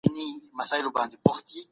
که علم خپور سي د ناپوهۍ تيارې به ورکي سي.